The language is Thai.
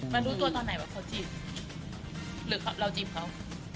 รู้ตัวตอนไหนว่าเขาจีบหรือเราจีบเขา